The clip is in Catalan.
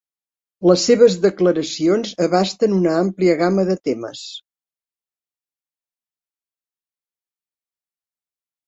Les seves declaracions abasten una àmplia gamma de temes.